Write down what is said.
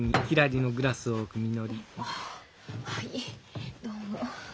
あはいどうも。